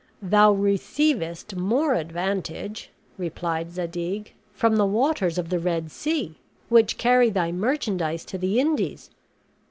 "Thou receivest more advantage," replied Zadig, "from the waters of the Red Sea, which carry thy merchandise to the Indies.